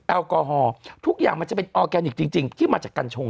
แอลกอฮอลทุกอย่างมันจะเป็นออร์แกนิคจริงที่มาจากกัญชง